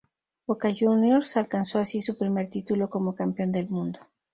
Boca Juniors alcanzo así su primer título como campeón del mundo.